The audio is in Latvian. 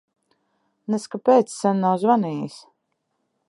Nez kāpēc sen nav zvanījis.